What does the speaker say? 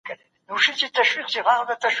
څوک غواړي بازار په بشپړ ډول کنټرول کړي؟